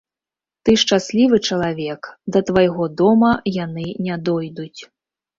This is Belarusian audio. Ты шчаслівы чалавек, да твайго дома яны не дойдуць.